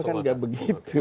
kan enggak begitu